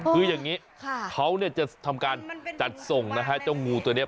คืออย่างนี้เขาจะทำการจัดส่งนะฮะเจ้างูตัวนี้